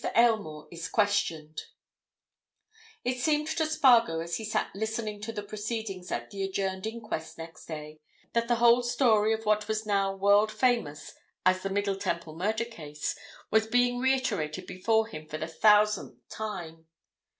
AYLMORE IS QUESTIONED It seemed to Spargo as he sat listening to the proceedings at the adjourned inquest next day that the whole story of what was now world famous as the Middle Temple Murder Case was being reiterated before him for the thousandth time.